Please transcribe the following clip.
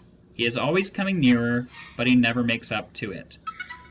He is always coming nearer, but he never makes up to it."